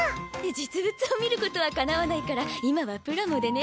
実物を見ることはかなわないから今はプラモでね。